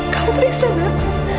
kamu periksa gak